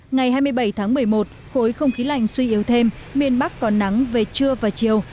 ngày hai mươi bảy tháng một mươi một khối không khí lạnh suy yếu thêm miền bắc còn nắng về trưa và chiều